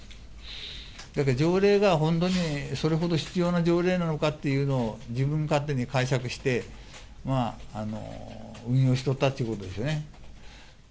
だけど条例が、本当にそれほど必要な条例なのかというのを自分勝手に解釈して、まあ、運用しておったっていうことでしょうね。